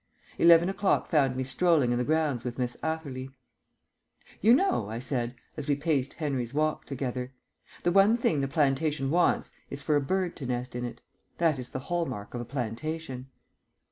Eleven o'clock found me strolling in the grounds with Miss Atherley. "You know," I said, as we paced Henry's Walk together, "the one thing the plantation wants is for a bird to nest in it. That is the hall mark of a plantation."